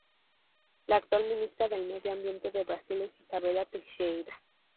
La actual Ministra del Medio Ambiente de Brasil es Izabella Teixeira.